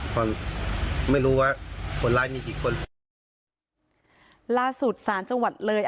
ความไม่รู้ว่าคนร้ายมีกี่คนล่าสุดสารจังหวัดเลย